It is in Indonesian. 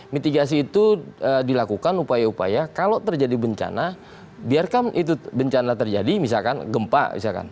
mitigasi itu dilakukan upaya upaya kalau terjadi bencana biarkan itu bencana terjadi misalkan gempa misalkan